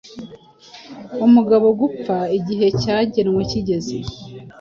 umugabo gupfa igihe cyagenwe kigeze